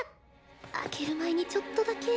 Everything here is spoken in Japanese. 開ける前にちょっとだけ。